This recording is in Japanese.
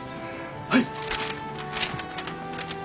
はい！